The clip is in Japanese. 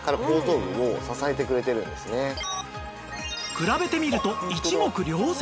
比べてみると一目瞭然